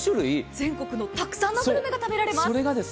全国の沢山のグルメが食べられます。